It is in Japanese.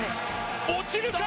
落ちるか！？